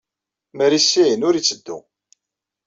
Mer issin, ur itteddu.